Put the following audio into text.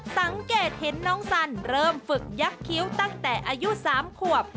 สังเกตเห็นน้องสันเริ่มฝึกยักษ์คิ้วตั้งแต่อายุ๓ขวบ